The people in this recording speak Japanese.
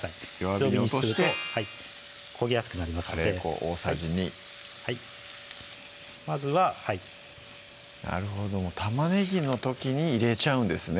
強火にすると焦げやすくなりますのでカレー粉大さじ２はいまずははいなるほど玉ねぎの時に入れちゃうんですね